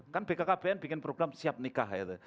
kan bkkbn bikin program siap nikah ya